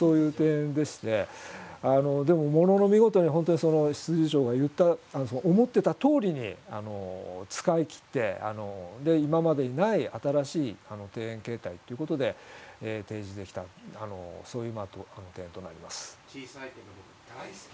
でも物の見事に本当にその執事長が言った思ってたとおりに使いきってで今までにない新しい庭園形態っていうことで提示できたそういう東庭となります。